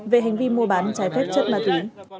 về hành vi mua bán trái phép chất ma túy